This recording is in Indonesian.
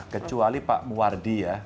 kecuali pak muwardi ya